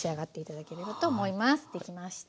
できました。